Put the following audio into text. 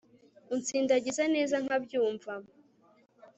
unsindagiza neza nkabyumva